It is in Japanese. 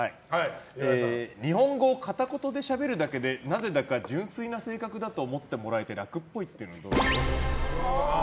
日本語を片言でしゃべるだけでなぜだか純粋な性格だと思ってもらえて楽っぽい。